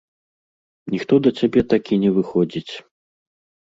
Ніхто да цябе так і не выходзіць.